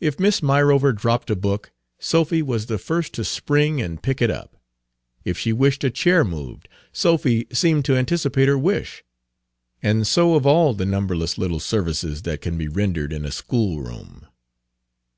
If Miss Myrover dropped a book, Sophy was the first to spring and pick it up; if she wished a chair moved, Sophy seemed to anticipate her wish; and so of all the numberless little services that can be rendered in a schoolroom.